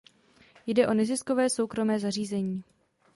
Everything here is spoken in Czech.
Jde o neziskové soukromé zařízení.